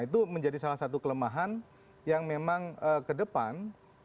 itu menjadi salah satu kelemahan yang memang ke depan